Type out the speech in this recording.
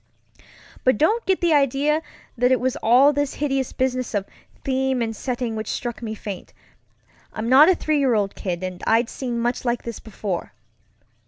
But don't get the idea that it was all this hideous business of theme and setting which struck me faint. I'm not a three year old kid, and I'd seen much like this before.